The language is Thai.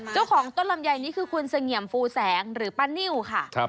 เจ้าของต้นลำไยนี่คือคุณเสงี่ยมฟูแสงหรือป้านิ่วค่ะ